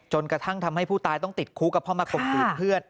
กระทั่งทำให้ผู้ตายต้องติดคุกเพราะมาข่มขืนเพื่อน